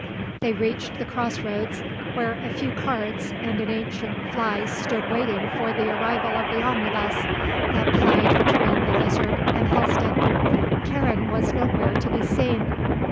They reached the cross roads where a few carts and an ancient fly stood waiting for the arrival of the omnibus that plied between the Lizard and Helston. Karen was nowhere to be seen.